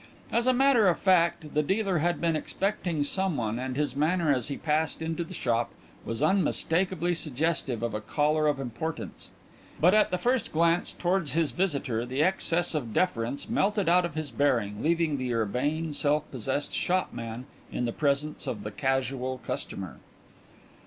As a matter of fact the dealer had been expecting someone and his manner as he passed into the shop was unmistakably suggestive of a caller of importance. But at the first glance towards his visitor the excess of deference melted out of his bearing, leaving the urbane, self possessed shopman in the presence of the casual customer.